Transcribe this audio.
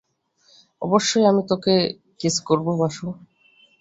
অবশ্যই, আমি তোমাকে কিস করবো, বাসু।